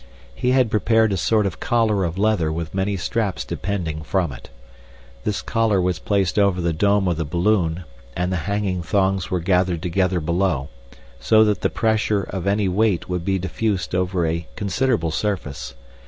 He had prepared a sort of collar of leather with many straps depending from it. This collar was placed over the dome of the balloon, and the hanging thongs were gathered together below, so that the pressure of any weight would be diffused over a considerable surface.